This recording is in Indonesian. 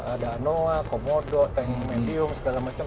ada anoa komodo tank medium segala macam